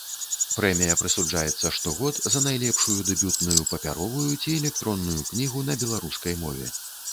Прэмія прысуджаецца штогод за найлепшую дэбютную папяровую ці электронную кнігу на беларускай мове.